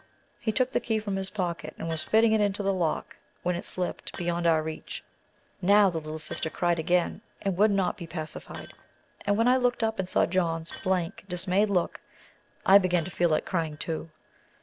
He took the key from his pocket and was fitting it into the lock, when it slipped, beyond our reach. Now the little sister cried again, and would not be pacified; and when I looked up and caught John's blank, dismayed look, I began to feel like crying, too.